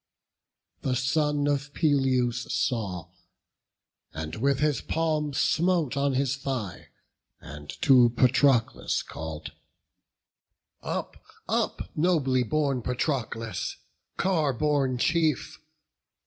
The son of Peleus saw, and with his palm Smote on his thigh, and to Patroclus call'd: "Up, nobly born Patroclus, car borne chief!